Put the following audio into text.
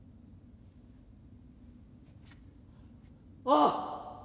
「ああ！」。